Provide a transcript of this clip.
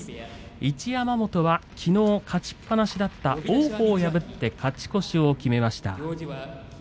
一山本は、きのう勝ちっぱなしだった王鵬を破って勝ち越しを決めました。